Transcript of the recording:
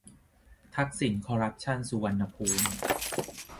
ทักษิณคอรัปชันสุวรรณภูมิ